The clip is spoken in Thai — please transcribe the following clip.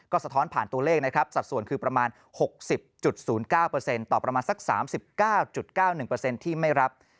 สะท้อนผ่านตัวเลขนะครับสัดส่วนคือประมาณ๖๐๐๙ต่อประมาณสัก๓๙๙๑ที่ไม่รับ